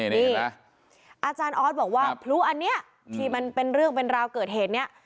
นี่อาจารย์ออสบอกว่าพลุอันนี้ที่มันเป็นเรื่องเป็นราวเกิดเหตุนี้